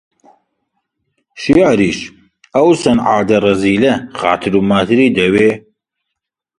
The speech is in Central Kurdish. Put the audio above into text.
شیعریش، ئەو سنعاتە ڕەزیلە خاتر و ماتری دەوێ؟